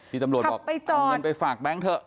ตำรวจบอกเงินไปฝากแบงค์เถอะ